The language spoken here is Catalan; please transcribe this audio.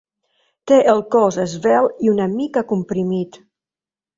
Té el cos esvelt i una mica comprimit.